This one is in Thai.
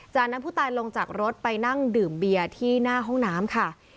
จากนั้นผู้ตายลงจากรถไปนั่งดื่มเบียร์ที่หน้าห้องน้ำค่ะ